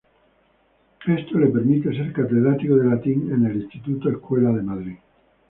Esto le permitió ser catedrático de Latín en el Instituto-Escuela de Madrid.